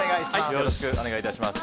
よろしくお願いします。